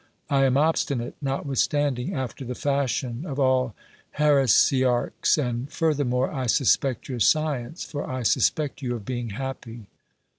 I am obstinate, notwith standing, after the fashion of all heresiarchs, and further more, I suspect your science, for I suspect you of being happy.